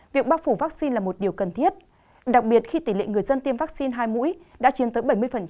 việc bác phủ vaccine là một điều cần thiết đặc biệt khi tỷ lệ người dân tiêm vaccine hai mũi đã chiếm tới bảy mươi